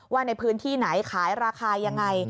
ว่าในพื้นที่ไหนขายราคายังไง